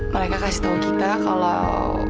mereka kasih tahu kita kalau